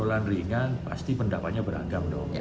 kalau ringan pasti pendapatnya beragam dong